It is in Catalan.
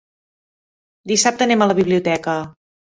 Dissabte anem a la biblioteca.